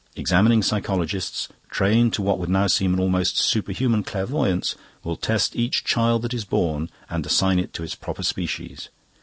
Examining psychologists, trained to what would now seem an almost superhuman clairvoyance, will test each child that is born and assign it to its proper species.